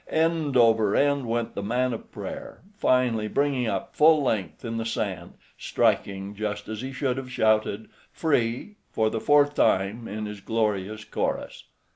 End over end went the man of prayer, finally bringing up full length in the sand, striking just as he should have shouted "free" for the fourth time in his glorious chorus.